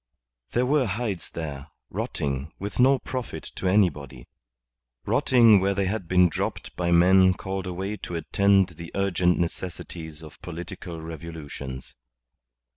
There were hides there, rotting, with no profit to anybody rotting where they had been dropped by men called away to attend the urgent necessities of political revolutions.